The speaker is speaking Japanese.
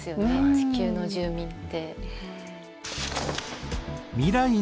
地球の住民って。